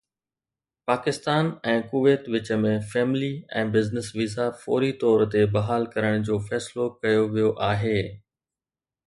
Pakistan ۽ Kuwait وچ ۾ family ۽ business visa فوري طور تي بحال ڪرڻ جو فيصلو ڪيو ويو آهي